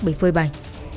bởi phơi bày